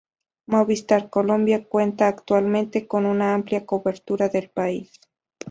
Movistar Colombia cuenta actualmente con una amplia cobertura del país.